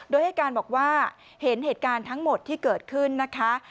โดยให้การบอกว่าเห็นเหตุการณ์ทั้งหมดที่เกิดขึ้นนะคะ